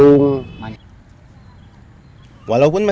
menletakkan ke www parembanajaim handful depends momen